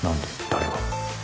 誰が？